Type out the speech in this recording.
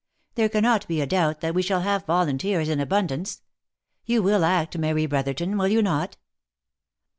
There cannot be a doubt that we shall have volunteers in abundance. You will act, Mary Brotherton, will you not?"